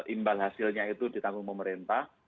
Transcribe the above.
imbal hasilnya itu ditanggung pemerintah